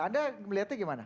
anda melihatnya gimana